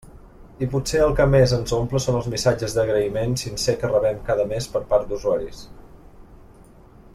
I potser el que més ens omple són els missatges d'agraïment sincer que rebem cada mes per part d'usuaris.